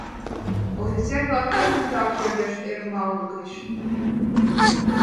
Офицер-влак эн ондак йӧршеш ӧрмалгышт.